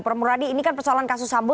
prof muradi ini kan persoalan kasus sambo